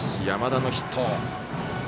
山田のヒット。